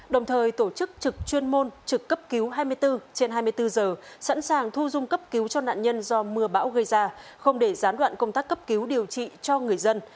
đồng thời tổ chức trực chuyên môn trực cấp cứu hai mươi bốn trên hai mươi bốn giờ sẵn sàng thu dung cấp cứu cho nạn nhân do mưa bão gây ra không để gián đoạn công tác cấp cứu điều trị cho người dân